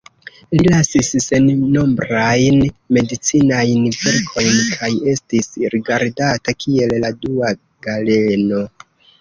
Li lasis sennombrajn medicinajn verkojn kaj estis rigardata kiel la dua Galeno.